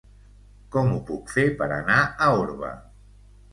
Com ho puc fer per anar a Orba?